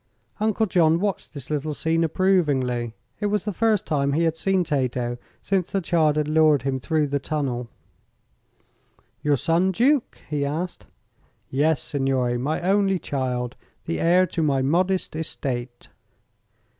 Uncle John watched the little scene approvingly. It was the first time he had seen Tato since the child had lured him through the tunnel. "Your son, Duke?" he asked. "Yes, signore; my only child. The heir to my modest estate."